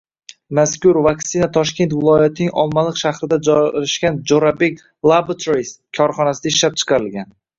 Mazkur vaksina Toshkent viloyatining Olmaliq shahrida joylashgan Jurabek Laboratories korxonasida ishlab chiqarilgan